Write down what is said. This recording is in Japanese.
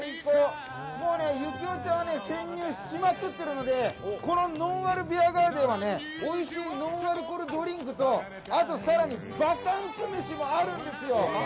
もうね行雄ちゃんは潜入しちゃってるのでのんあるビアガーデンはおいしいノンアルコールドリンクとあと、更にバカンス飯もあるんですよ。